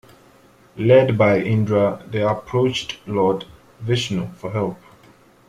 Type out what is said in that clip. Led by Indra, they approached Lord Vishnu for help.